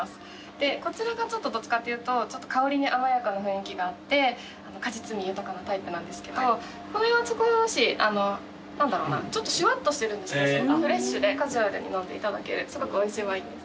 でこちらがちょっとどっちかっていうと香りに甘やかな雰囲気があって果実味豊かなタイプなんですけどこれは少しちょっとシュワっとしてるんですけどすごくフレッシュでカジュアルに飲んでいただけるすごくおいしいワインです。